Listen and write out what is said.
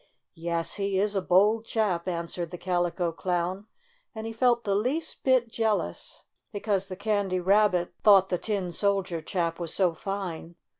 "Yes, he is a bold chap," answered the Calico Clown, and he felt the least bit jeal ous because the Candy Rabbit thought the 4 STORY OP A SAWDUST DOLL Tin Soldier chap was so fine.